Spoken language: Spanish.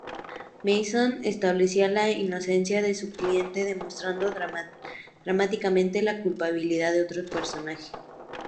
Mason establecía la inocencia de su cliente, demostrando dramáticamente la culpabilidad de otro personaje.